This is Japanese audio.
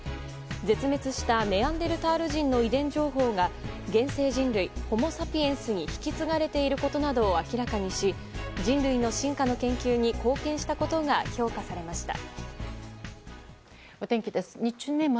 絶滅したネアンデルタール人の遺伝情報が現生人類・ホモサピエンスに引き継がれていることなどを明らかにし、人類の進化の研究に貢献したことが評価されました。